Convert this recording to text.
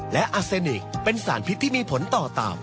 และอาเซนิกเป็นสารพิษที่มีผลต่อต่ำ